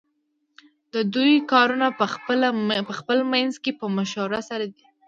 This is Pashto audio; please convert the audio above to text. ددوی کارونه پخپل منځ کی په مشوره سره دی .